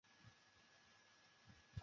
主关注点。